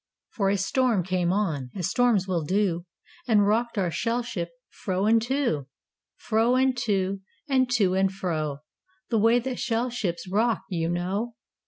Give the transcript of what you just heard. For a storm came on As storms will do And rocked our shell ship Fro and to, Fro and to, And to and fro, The way that shell ships Rock, you know.